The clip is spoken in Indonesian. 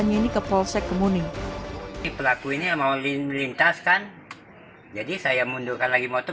nyini ke polsek kemuning di pelaku ini mau lintas kan jadi saya mundurkan lagi motor